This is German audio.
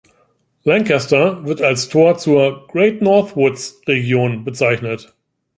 Lancaster wird als Tor zur Great North Woods Region bezeichnet.